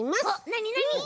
なになに？